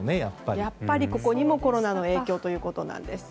やっぱりここにもコロナの影響ということです。